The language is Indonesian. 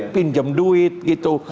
pinjam duit gitu